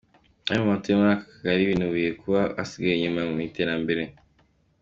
Bamwe mu batuye muri aka Kagali binubiye kuba kasigaye inyuma mu iterambere.